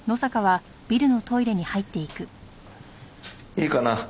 いいかな？